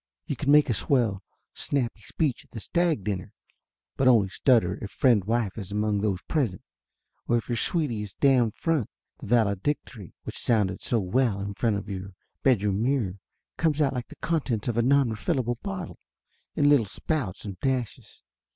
You can make a swell snappy speech at th stag dinner, but only stutter if friend wife is amongs those present. Or if your sweetie is down front, th< valedictory which sounded so well in front of you bedroom mirror comes out like the contents of a non refillable bottle, in little spouts and dashes.